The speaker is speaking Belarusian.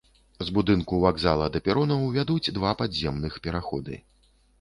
З будынка вакзалу да перонаў вядуць два падземных пераходы.